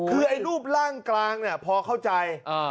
คือไอ้รูปร่างกลางเนี่ยพอเข้าใจ